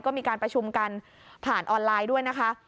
ก็มีการประชุมกันผ่านออนไลน์ด้วยนะคะ